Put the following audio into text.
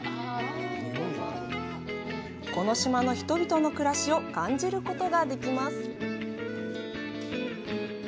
この島の人々の暮らしを感じることができます。